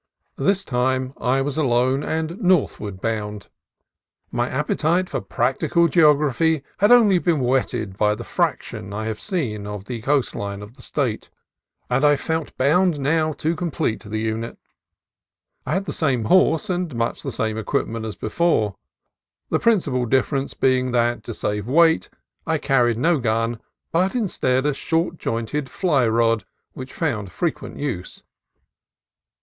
This time I was alone, and northward bound. My appetite for practical geography had been only whetted by the fraction I had seen of the coast line of the State, and I felt bound now to complete the unit. I had the same horse and much the same equip ment as before, the principal difference being that to save weight I carried no gun, but instead a short jointed fly rod (which found frequent use).